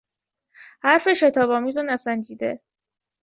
حرف شتابآمیز و نسنجیده